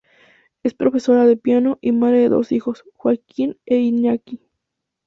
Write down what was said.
Es profesora de piano y madre de dos hijos, Joaquín e Iñaki.